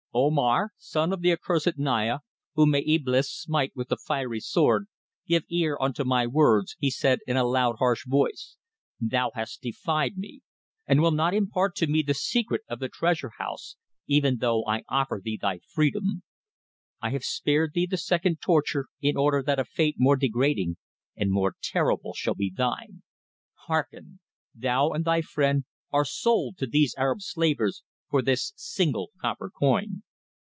"Omar, son of the accursed Naya whom may Eblis smite with the fiery sword, give ear unto my words," he said, in a loud, harsh voice. "Thou hast defied me, and will not impart to me the secret of the Treasure house, even though I offer thee thy freedom. I have spared thee the second torture in order that a fate more degrading and more terrible shall be thine. Hearken! Thou and thy friend are sold to these Arab slavers for this single copper coin."